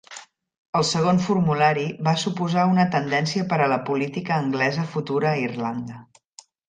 El segon formulari va suposar una tendència per a la política anglesa futura a Irlanda.